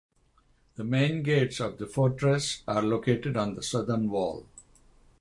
The main gates of the fortress are located on the southern wall.